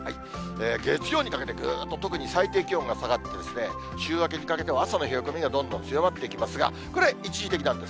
月曜にかけてぐーっと、特に最低気温が下がってですね、週明けにかけては、朝の冷え込みがどんどん強まっていきますが、これ、一時的なんです。